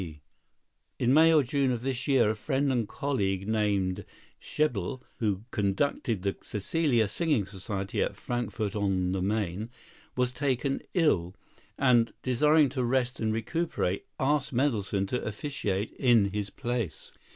D. In May or June of this year a friend and colleague named Schelble, who conducted the Caecilia Singing Society at Frankfort on the Main, was taken ill, and, desiring to rest and recuperate, asked Mendelssohn to officiate in his place.